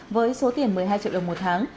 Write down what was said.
với số tiền một mươi hai triệu đồng một tháng